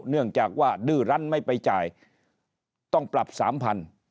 เนื่องจากว่าดื้อรั้นไม่ไปจ่ายต้องปรับสามพัน